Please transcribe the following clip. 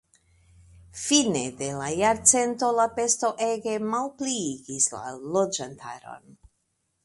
Fine de la jarcento la pesto ege malpliigis la loĝantaron.